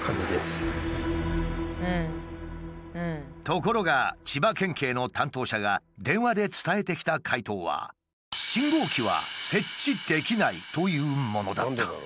ところが千葉県警の担当者が電話で伝えてきた回答はというものだった。